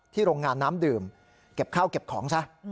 โรงงานน้ำดื่มเก็บข้าวเก็บของซะ